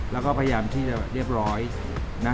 แล้วก็พยายามที่จะเรียบร้อยนะ